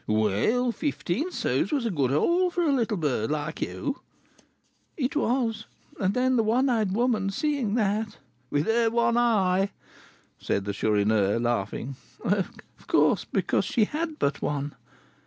"Well, fifteen sous was a good haul for a little bird like you." "It was. And then the one eyed woman seeing that " "With her one eye?" said the Chourineur, laughing. "Of course, because she had but one.